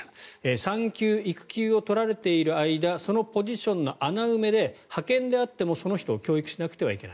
産休・育休を取られている間そのポジションの穴埋めで派遣であっても、その人を教育しなければならない。